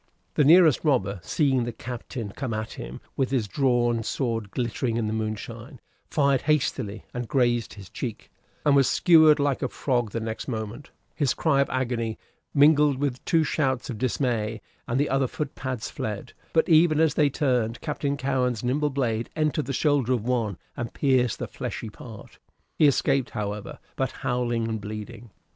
The nearest robber, seeing the Captain come at him with his drawn sword glittering in the moonshine, fired hastily, and grazed his cheek, and was skewered like a frog the next moment; his cry of agony mingled with two shouts of dismay, and the other foot pads fled; but, even as they turned, Captain Cowen's nimble blade entered the shoulder of one, and pierced the fleshy part. He escaped, however, but howling and bleeding.